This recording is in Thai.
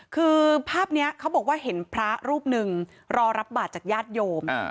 คือภาพนี้เขาบอกว่าเห็นพระรูปหนึ่งรอรับบาทจากญาติโยม